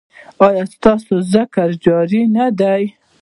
ایا ستاسو ذکر جاری نه دی؟